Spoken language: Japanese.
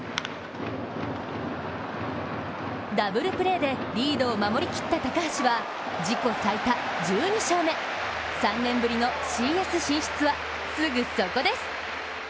ダブルプレーでリードを守りきった高橋は自己最多１２勝目、３年ぶりのＣＳ進出はすぐそこです。